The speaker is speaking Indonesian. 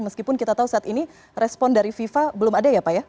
meskipun kita tahu saat ini respon dari fifa belum ada ya pak ya